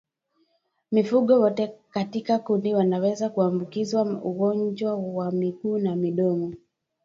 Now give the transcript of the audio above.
Mifugo wote katika kundi wanaweza kuambukizwa ugonjwa wa miguu na midomo